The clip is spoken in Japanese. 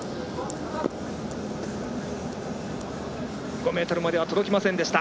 ５ｍまでは届きませんでした。